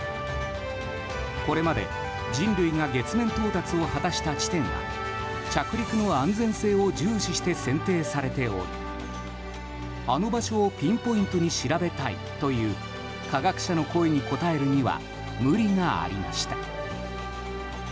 これまで人類が月面到達を果たした地点は着陸の安全性を重視して選定されておりあの場所をピンポイントに調べたいという科学者の声に応えるには無理がありました。